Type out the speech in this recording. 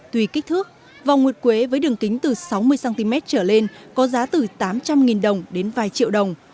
tùy kích thước vòng nguyệt quế với đường kính từ sáu mươi cm trở lên có giá từ tám trăm linh đồng đến vài triệu đồng